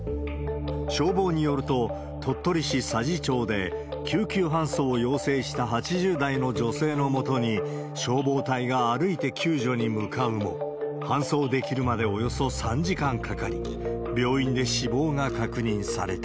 消防によると、鳥取市佐治町で救急搬送を要請した８０代の女性のもとに、消防隊が歩いて救助に向かうも、搬送できるまでおよそ３時間かかり、病院で死亡が確認された。